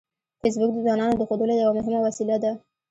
فېسبوک د ځوانانو د ښودلو یوه مهمه وسیله ده